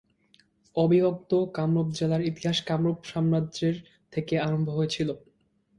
অবিভক্ত কামরূপ জেলার ইতিহাস কামরূপ সাম্রাজ্যের থেকে আরম্ভ হয়েছিল।